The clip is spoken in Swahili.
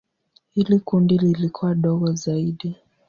Hili kundi lilikuwa dogo zaidi.